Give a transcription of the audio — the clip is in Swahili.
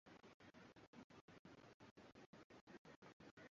ina maana inaweza kuwa katika